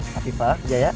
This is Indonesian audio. tapi pak jaya